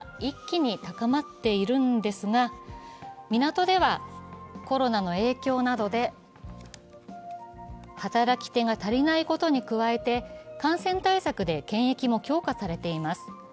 コロナからの経済再開で物流の需要は一気に高まっているんですが港ではコロナの影響などで働き手が足りないことに加えて感染対策で検疫も強化されています。